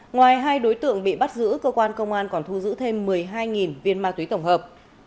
ngoài hai đối tượng bị bắt giữ cơ quan công an còn thu giữ thêm một mươi hai viên ma túy tổng hợp